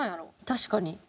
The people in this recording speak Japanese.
確かに。